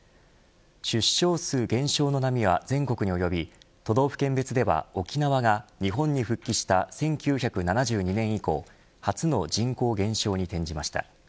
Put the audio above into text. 出生数減少の波は全国に及び都道府県別では、沖縄が日本に復帰した１９７２年以降初の人口減少に転じました。